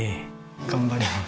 頑張ります。